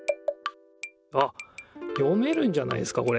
あっ読めるんじゃないですかこれ。